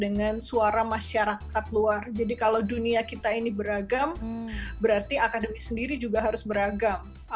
dengan suara masyarakat luar jadi kalau dunia kita ini beragam berarti akademi sendiri juga harus beragam